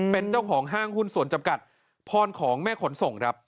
เป็นเจ้าของห้างหุ้นส่วนจำกัดพรของแม่ขนส่งครับ